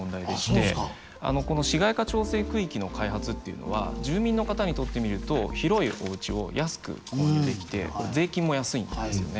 この市街化調整区域の開発っていうのは住民の方にとってみると広いおうちを安く購入できて税金も安いんですよね。